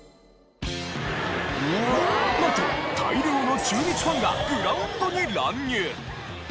なんと大量の中日ファンがグラウンドに乱入。